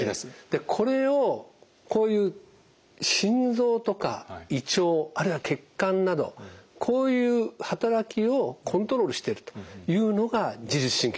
これをこういう心臓とか胃腸あるいは血管などこういう働きをコントロールしてるというのが自律神経なんです。